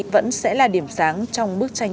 vẫn sẽ là điểm sáng trong bức tranh